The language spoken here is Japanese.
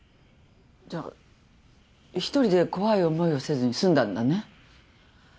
じゃあ一人で怖い思いをせずに済んだんだね？